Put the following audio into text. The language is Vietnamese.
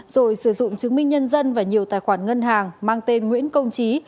rồi sử dụng chứng minh nhân dân và nhiều tài khoản ngân hàng mang tên nguyễn công trí